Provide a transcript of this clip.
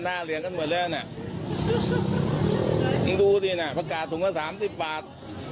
เหรียญกันหมดแล้วน่ะมึงดูสิน่ะประกาศถุงละสามสิบบาท